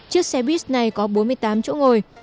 chiếc xe buýt này có bốn mươi tám chỗ ngồi